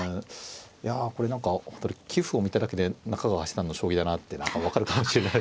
いやこれ何かお二人棋譜を見ただけで中川八段の将棋だなって分かるかもしれない。